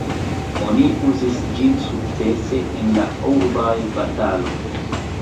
Oni uzis ĝin sukcese en la urbaj bataloj.